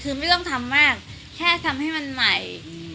คือไม่ต้องทำมากแค่ทำให้มันใหม่